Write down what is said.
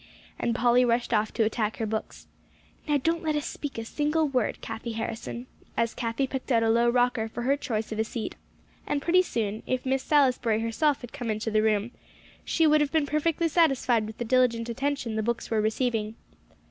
and Polly rushed off to attack her books. "Now, don't let us speak a single word, Cathie Harrison," as Cathie picked out a low rocker for her choice of a seat; and pretty soon, if Miss Salisbury herself had come into the room, she would have been perfectly satisfied with the diligent attention the books were receiving.